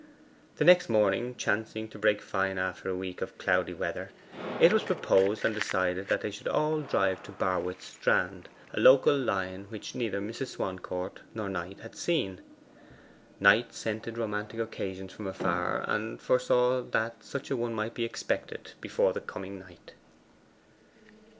The next morning chancing to break fine after a week of cloudy weather, it was proposed and decided that they should all drive to Barwith Strand, a local lion which neither Mrs. Swancourt nor Knight had seen. Knight scented romantic occasions from afar, and foresaw that such a one might be expected before the coming night.